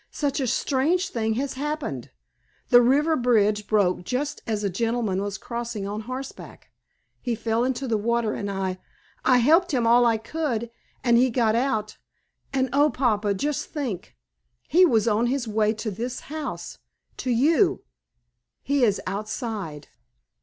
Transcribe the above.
"Such a strange thing has happened! The river bridge broke just as a gentleman was crossing on horseback. He fell into the water, and I I helped him all I could, and he got out. And oh, papa, just think! He was on his way to this house to you. He is outside."